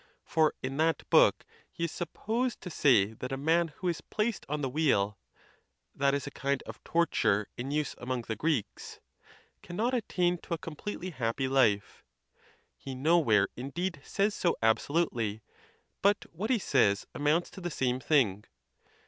For in that book he is supposed to say that a man who is placed on the wheel (that is a kind of torture in use among the Greeks) cannot attain to a completely happy life. He nowhere, in deed, says so absolutely; but what he says amounts to the same thing.